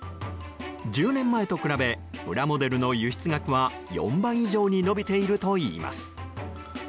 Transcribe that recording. １０年前と比べプラモデルの輸出額は４倍以上に伸びているといいます。